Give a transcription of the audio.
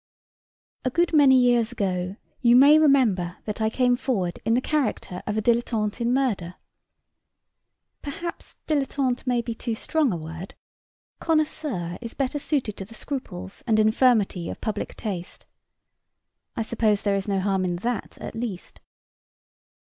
A good many years ago you may remember that I came forward in the character of a dilettante in murder. Perhaps dilettante may be too strong a word. Connoisseur is better suited to the scruples and infirmity of public taste. I suppose there is no harm in that at least.